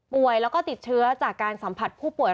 แล้วก็ติดเชื้อจากการสัมผัสผู้ป่วย